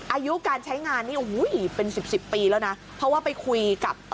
อายุการใช้งานนี่โอ้โหเป็นสิบสิบปีแล้วนะเพราะว่าไปคุยกับ